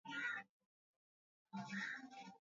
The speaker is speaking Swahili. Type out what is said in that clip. Habibi amepotea jana.